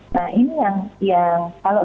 nah ini yang paling penting